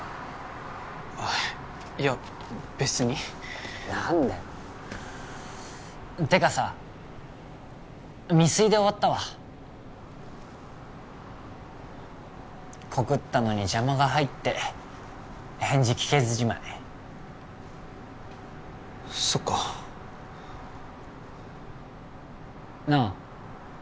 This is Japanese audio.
あいや別に何だよってかさ未遂で終わったわ告ったのに邪魔が入って返事聞けずじまいそっかなあ